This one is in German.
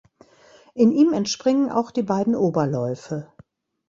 In ihm entspringen auch die beiden Oberläufe.